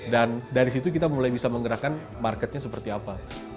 dan dari situ kita mulai bisa menggerakkan marketnya seperti apa